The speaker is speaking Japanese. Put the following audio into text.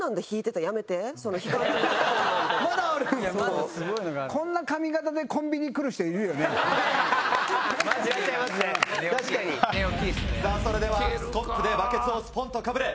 まだあるんすか⁉それでは「スコップでバケツをスポンとかぶれ！」。